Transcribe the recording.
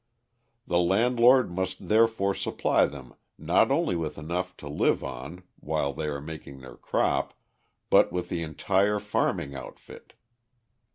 The landlord must therefore supply them not only with enough to live on while they are making their crop, but with the entire farming outfit.